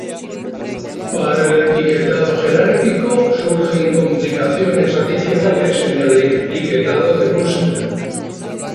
Para el etiquetado jerárquico, surgen complicaciones adicionales en el etiquetado de clúster.